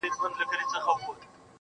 او خپل څادر يې تر خپل څنگ هوار کړ_